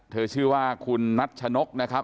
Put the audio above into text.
เธอชื่อว่าคุณณัชชะนกนะครับ